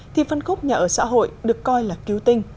thì phân khúc nhà ở xã hội được coi là cứu tinh